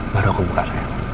baru aku buka sayang